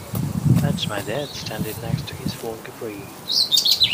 That's my dad standing next to his Ford Capri.